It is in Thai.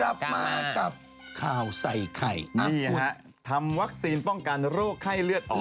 กลับมากับข่าวใส่ไข่ทำวัคซีนป้องกันโรคไข้เลือดออก